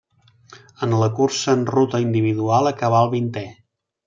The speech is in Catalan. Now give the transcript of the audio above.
En la cursa en ruta individual acabà el vintè.